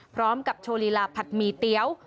พร้อมกับโชว์ลีลาผัดหมี่เตี๋ยว